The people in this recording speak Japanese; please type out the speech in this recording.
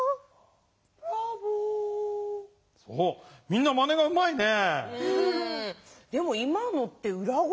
みんなまねがうまいね。